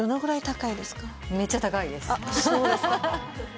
そうですか。